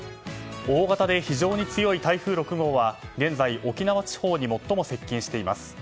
大型で非常に強い台風６号は現在、沖縄地方に最も接近しています。